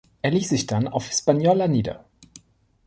Er ließ sich dann auf Hispaniola nieder.